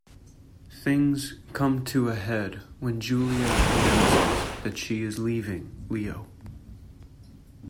Things come to a head when Julia announces that she is leaving Leo.